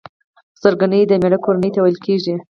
خسرګنۍ د مېړه کورنۍ ته ويل کيږي.